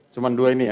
cuman dua ini ya